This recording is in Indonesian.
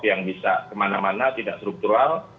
yang bisa kemana mana tidak struktural